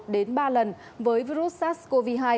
một đến ba lần với virus sars cov hai